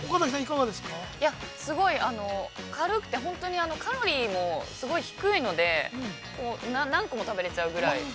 ◆すごい軽くて、カロリーもすごい低いので何個も食べれるぐらい。